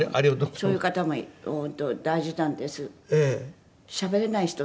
そういう方も本当大事なんです。